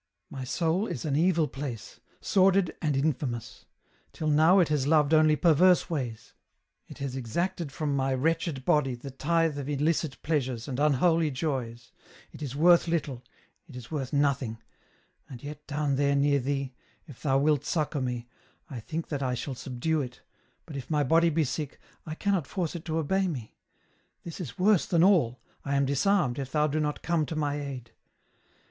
" My soul is an evil place, sordid and infamous ; till now it has loved only perverse ways ; it has exacted from my wretched body the tithe of illicit pleasures and unholy joys, it is worth little, it is worth nothing, and yet down there near Thee, if Thou wilt succour me, I think that I shall subdue it, but if my body be sick, I cannot force it to obey me ; this is worse than all, I am disarmed if Thou do not come to my aid.